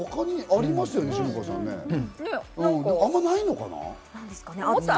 あんまりないのかな？